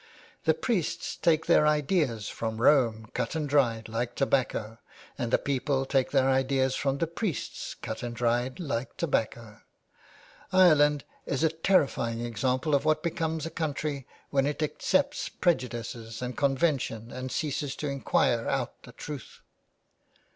The priests take their ideas from Rome cut and dried like tobacco and the people take their ideas from the priests cut and dried like tobacco. Ireland is a terrifying example of what becomes of a country when it accepts prejudices and convention and ceases to inquire out the truth."